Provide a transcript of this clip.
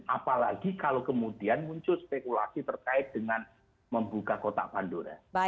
apalagi kalau kemudian muncul spekulasi terkait dengan membuka kota pandora